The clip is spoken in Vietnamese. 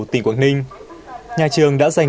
tỉnh quảng ninh nhà trường đã dành